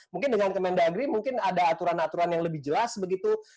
mungkin dengan kemendagri mungkin ada aturan aturan yang lebih jelas begitu